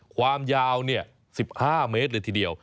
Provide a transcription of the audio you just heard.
ความยาว๑๕เมตรเลยทีเดียว